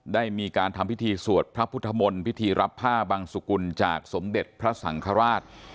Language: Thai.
ได้มีการทำพิธีสวดพระพุทธมนตร์พิธีรับผ้าบังสุกุลจากสมเด็จพระสังฆราช